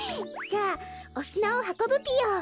じゃあおすなをはこぶぴよ。